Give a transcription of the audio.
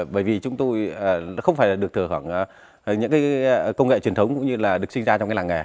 bởi vì chúng tôi không phải được thưởng những công nghệ truyền thống cũng như được sinh ra trong làng nghề